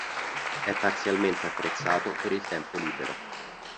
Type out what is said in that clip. È parzialmente attrezzato per il tempo libero.